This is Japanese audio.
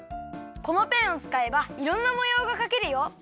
このペンをつかえばいろんなもようがかけるよ。